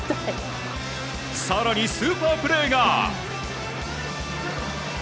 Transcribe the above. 更にスーパープレーが。